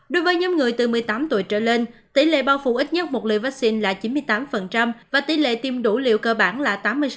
đối với nhóm người từ một mươi tám tuổi trở lên tỷ lệ bao phủ ít nhất một liều vaccine là chín mươi tám và tỷ lệ tiêm đủ liều cơ bản là tám mươi sáu